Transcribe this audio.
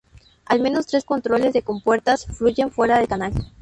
Al menos tres controles de compuertas fluyen fuera del canal.